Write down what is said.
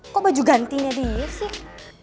kok baju ganti ini ada iya sih